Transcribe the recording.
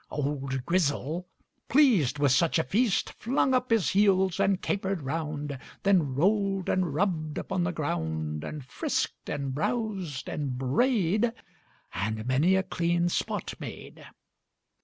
Old Grizzle, pleased with such a feast, Flung up his heels, and caper'd round, Then roll'd and rubb'd upon the ground, And frisk'd and browsed and bray'd, And many a clean spot made.